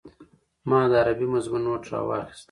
ما د عربي مضمون نوټ راواخيست.